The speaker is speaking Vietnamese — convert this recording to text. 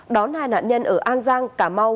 đón hai nạn nhân ở an giang cà mau